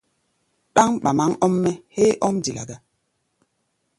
Ɗáŋ ɓambaŋ ɔ́m-mɛ́ héé ɔ́m dila gá!